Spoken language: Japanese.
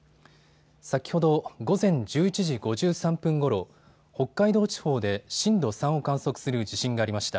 先ほど午前１１時５３分ごろ、北海道地方で震度３を観測する地震がありました。